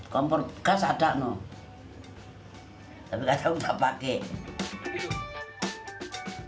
kompor gas ada tapi katanya tak pakai